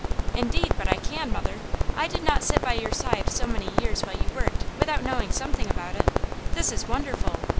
"Indeed, but I can, mother! I did not sit by your side so many years while you worked without knowing something about it. This is wonderful!